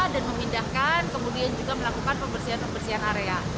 dan memindahkan kemudian juga melakukan pembersihan pembersihan area